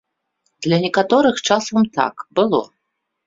Для некаторых часам так, было.